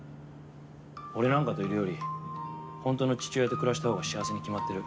俺なんかといるより本当の父親と暮らしたほうが幸せに決まってる。